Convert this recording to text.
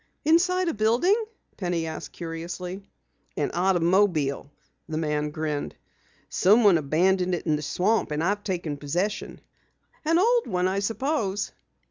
"Inside a building?" Penny asked curiously. "An automobile," the man grinned. "Someone abandoned it in the swamp and I've taken possession." "An old one, I suppose."